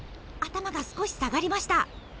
頭が少し下がりました。